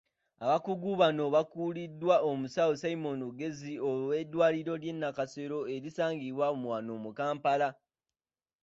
Abakugu bano bakuliddwa omusawo Simon Luzige ow'eddwaliro lya Nakasero erisangibwa wano mu Kampala.